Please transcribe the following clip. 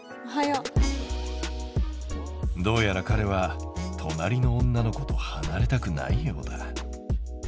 どうやらかれは隣の女の子とはなれたくないようだ。